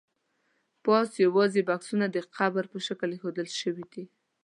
پاس یوازې بکسونه د قبر په شکل ایښودل شوي دي.